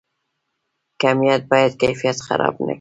کمیت باید کیفیت خراب نکړي؟